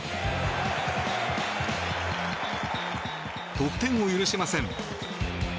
得点を許しません。